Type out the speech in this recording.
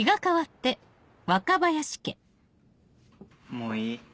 もういい？